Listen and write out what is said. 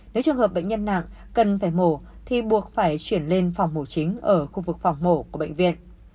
nếu trường hợp bệnh nhân nặng cần phải mổ thì buộc phải chuyển lên phòng mổ chính ở khu vực phòng mổ của bệnh viện